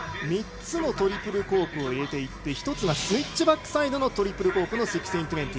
３つのトリプルコークを入れていって１つはスイッチバックサイドのトリプルコーク１６２０。